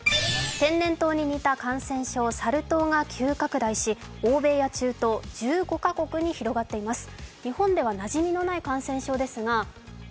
天然痘に似た感染症、サル痘が急拡大し欧米や中東、１５カ国に広がっています。